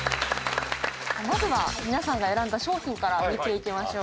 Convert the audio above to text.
まずは皆さんが選んだ商品から見ていきましょう。